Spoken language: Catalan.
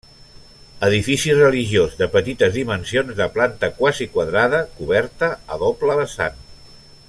Edifici religiós de petites dimensions de planta quasi quadrada, coberta a doble vessant.